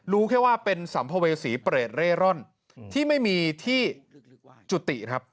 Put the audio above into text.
รู้แค่ว่าเป็นสัมภเวษีเปรตเร่ร่อนที่ไม่มีที่จุติครับ